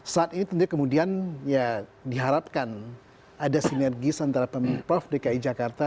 saat ini tentunya kemudian diharapkan ada sinergi antara pemimpin prof dki jakarta